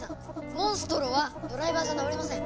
モンストロはドライバーじゃ治りません。